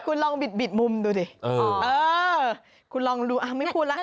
คุณลองบิดมุมดูดิเออคุณลองดูอ้าวไม่พูดแล้ว